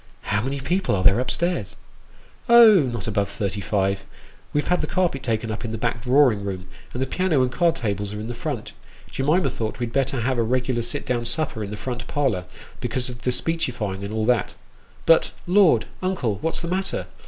" How many people are there up stairs ?"" Oh, not above thirty five. We've had the carpet taken up in the back drawing room, and the piano and the card tables are in the front. Jemima thought we'd better have a regular sit down supper in the front parlour, because of the speechifying, and all that. But, Lord ! uncle, what's the matter